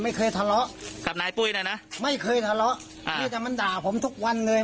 ไม่เคยทะเลาะที่จะมันด่าผมทุกวันเลย